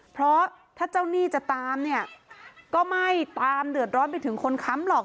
เพราะถ้าเจ้าหนี้จะตามเนี่ยก็ไม่ตามเดือดร้อนไปถึงคนค้ำหรอก